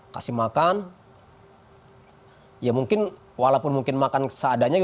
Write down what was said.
kasih makan ya mungkin walaupun mungkin makan seadanya